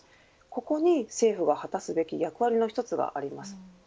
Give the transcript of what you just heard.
ここに政府が果たすべき役割の一つがあります。